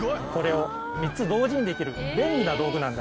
これを３つ同時にできる便利な道具